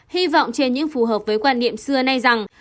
hy vọng trên những phù hợp với quan niệm xưa nay rằng